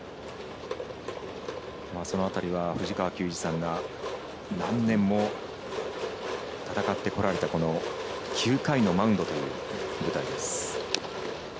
その辺りは藤川球児さんが何年も戦ってこられた９回のマウンドという舞台です。